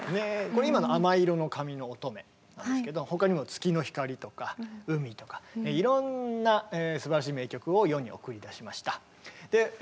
これ今の「亜麻色の髪のおとめ」なんですけど他にも「月の光」とか「海」とかいろんなすばらしい名曲を世に送り出しました。